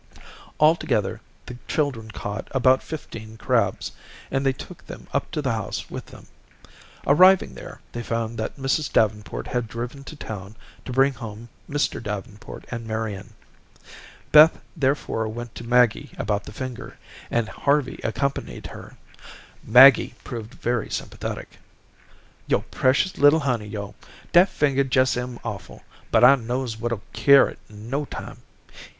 Altogether, the children caught about fifteen crabs, and they took them up to the house with them. Arriving there, they found that Mrs. Davenport had driven to town to bring home Mr. Davenport and Marian. Beth therefore went to Maggie about the finger, and Harvey accompanied her. Maggie proved very sympathetic. "Yo' precious little honey, yo'. Dat finger jes' am awful, but I knows what'll cure it in no time.